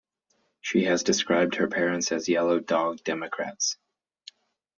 She has described her parents as Yellow Dog Democrats.